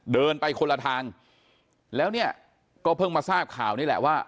เดินไปคนละทางแล้วเนี่ยก็เพิ่งมาทราบข่าวนี่แหละว่า